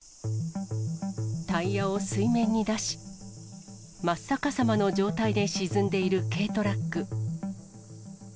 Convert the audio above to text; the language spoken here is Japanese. タイヤを水面に出し、真っ逆さまの状態で沈んでいる軽トラック。